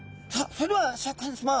それではシャーク香音さま。